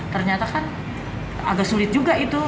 ternyata kan agak sulit juga itu